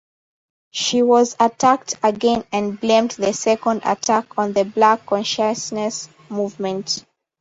She was attacked again and blamed the second attack on the Black Consciousness Movement.